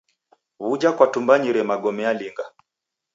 W'uja kwatumbanyire magome alinga?